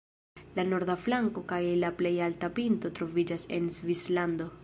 La norda flanko kaj la plej alta pinto troviĝas en Svislando.